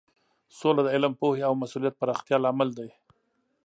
سوله د علم، پوهې او مسولیت پراختیا لامل دی.